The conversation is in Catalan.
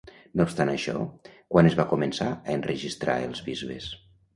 No obstant això, quan es va començar a enregistrar els bisbes?